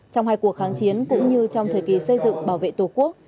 trong hai cuộc kháng chiến cũng như trong thời kỳ xây dựng bảo vệ tổ quốc